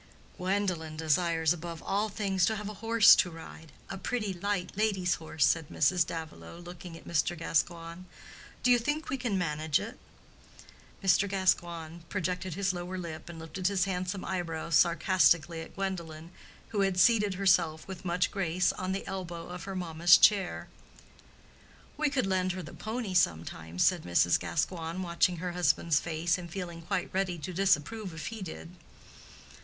"Gwendolen desires above all things to have a horse to ride—a pretty, light, lady's horse," said Mrs. Davilow, looking at Mr. Gascoigne. "Do you think we can manage it?" Mr. Gascoigne projected his lower lip and lifted his handsome eyebrows sarcastically at Gwendolen, who had seated herself with much grace on the elbow of her mamma's chair. "We could lend her the pony sometimes," said Mrs. Gascoigne, watching her husband's face, and feeling quite ready to disapprove if he did.